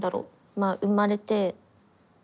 まあ生まれて。